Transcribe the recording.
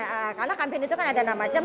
adanya karena kambiun itu kan ada enam macam